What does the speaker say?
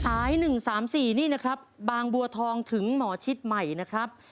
สายหนึ่งสามสิี่นี่นะครับบางบัวทองถึงหมอชิทธิ์ใหม่นะครับ